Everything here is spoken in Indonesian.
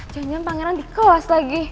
janjian pangeran di kelas lagi